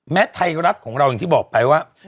ไทยรัฐของเราอย่างที่บอกไปว่า